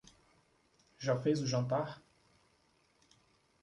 Já fez o jantar?